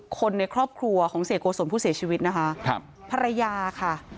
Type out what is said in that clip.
คนในครอบครัวของเสียโกศลผู้เสียชีวิตนะคะครับภรรยาค่ะ